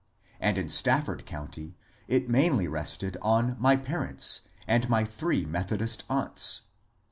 And in Staf ford County it mainly rested on my parents and my three Methodist aunts.